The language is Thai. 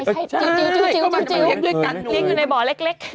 ม้วนวิดจะอองลูกพ่อ